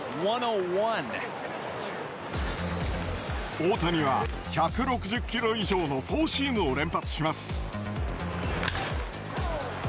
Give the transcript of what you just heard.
大谷は１６０キロ以上のフォーシームを連発します。